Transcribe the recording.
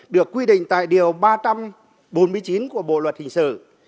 được quy định tại điều ba trăm bốn mươi chín của bộ luật hình sự